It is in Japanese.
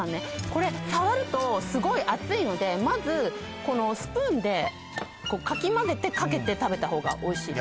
これ触るとすごい熱いのでまずスプーンでかき混ぜてかけて食べたほうがおいしい